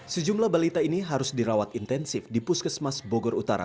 sejumlah balita ini harus dirawat intensif di puskesmas bogor utara